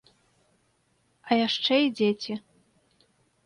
А яшчэ і дзеці.